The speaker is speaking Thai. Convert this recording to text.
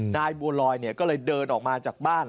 นายบัวลอยเนี่ยก็เลยเดินออกมาจากบ้าน